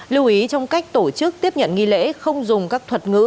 lưu ý trong cách tổ chức tiếp nhận nghi lễ không dùng các thuật ngữ